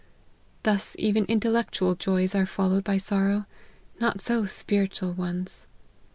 Thus even Intellectual joys are followed by sorrow : not so spiritual ones.